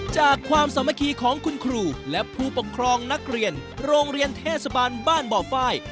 ความสามัคคีของคุณครูและผู้ปกครองนักเรียนโรงเรียนเทศบาลบ้านบ่อไฟ